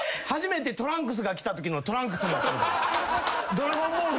『ドラゴンボール』